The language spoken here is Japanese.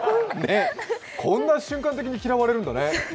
こんな瞬間的に嫌われるんだね。